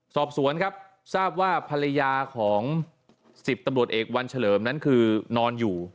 สอบสวนครับทราบว่าภรรยาของ๑๐ตำรวจเอกวันเฉลิมนั้นคือนอนอยู่